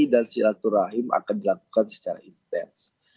dan silaturahim akan dilakukan secara intens